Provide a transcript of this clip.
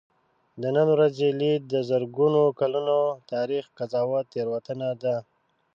د نن ورځې لید د زرګونو کلونو تاریخ قضاوت تېروتنه ده.